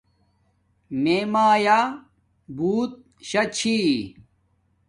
میے مایآ بوت شا چھی